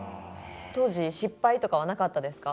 当時失敗とかはなかったですか？